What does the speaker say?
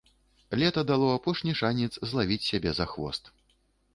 Лета дало апошні шанец злавіць сябе за хвост.